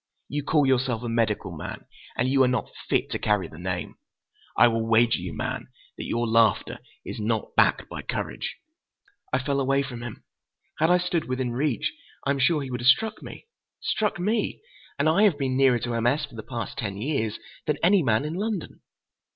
You call yourself a medical man—and you are not fit to carry the name! I will wager you, man, that your laughter is not backed by courage!" I fell away from him. Had I stood within reach, I am sure he would have struck me. Struck me! And I have been nearer to M. S. for the past ten years than any man in London.